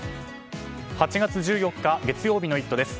８月１４日、月曜日の「イット！」です。